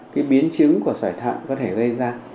cái biến chứng của sỏi thận có thể gây ra